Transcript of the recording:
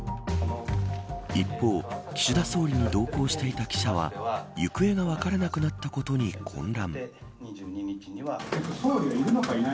一方、岸田総理に同行していた記者は行方が分からなくなったことに混乱。